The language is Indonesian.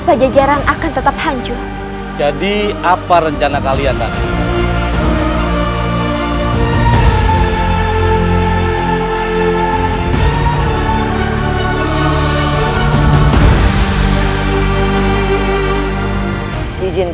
bagaimana ini wak